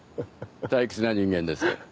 退屈な人間です。